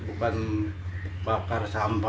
bukan bakar sampah